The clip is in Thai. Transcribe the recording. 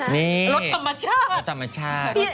นี่รถธรรมชาติ